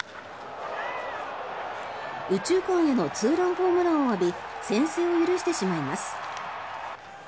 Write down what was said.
右中間へのツーランホームランを浴び先制を許してしまいます。